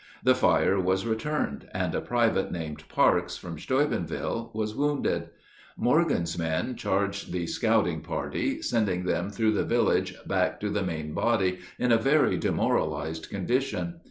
The fire was returned, and a private named Parks, from Steubenville, was wounded. Morgan's men charged the scouting party, sending them through the village back to the main body in a very demoralized condition.